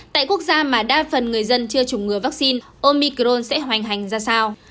tại quốc gia mà đa phần người dân chưa chủng ngừa vaccine omicron sẽ hoành hành ra sao